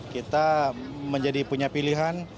kita menjadi punya pilihan